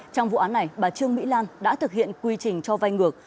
trong vụ án này bà trương mỹ lan đã thực hiện quy trình cho vay ngược